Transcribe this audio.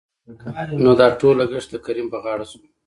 نو دا ټول لګښت دکريم په غاړه شو.